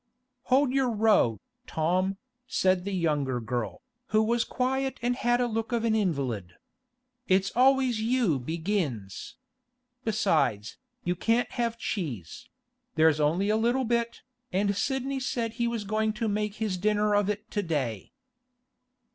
'Hold your row, Tom,' said the younger girl, who was quiet and had the look of an invalid. 'It's always you begins. Besides, you can't have cheese; there's only a little bit, and Sidney said he was going to make his dinner of it to day.